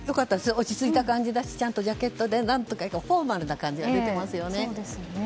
落ち着いた感じだしジャケットでフォーマルな感じが出ていますよね。